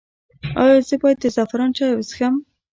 ایا زه باید د زعفران چای وڅښم؟